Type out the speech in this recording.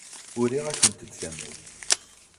Uriɣ-akent-d tamawt.